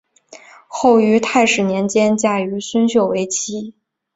后于泰始年间嫁于孙秀为妻。